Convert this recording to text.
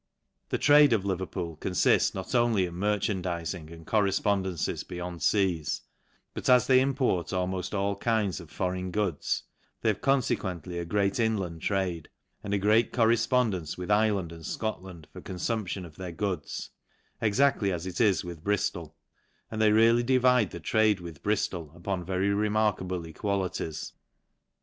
The trade of Leverpool confifts not only in mer chandizing and correfpondencies beyond feas, but ay they import almoft all kinds of foreign goods, they, have confequently a great inland trade, and a great correfpondence with Ireland and Scotland for con fumption of their goods, exaclly as it is with Briftol, } and they really divide the trade with Briftol upor very remarkable equalities.